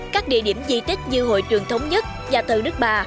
các địa điểm di tích như hội trường thống nhất nhà thờ nước bà